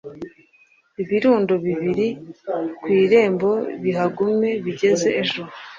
ibirundo bibiri ku irembo bihagume bigeze ejo